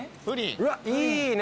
うわっいいね。